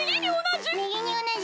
みぎにおなじ！